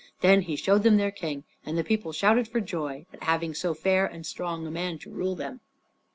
Then he showed them their King, and the people shouted for joy at having so fair and strong a man to rule them.